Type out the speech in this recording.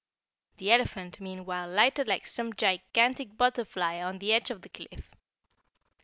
The elephant meanwhile lighted like some gigantic butterfly on the edge of the cliff.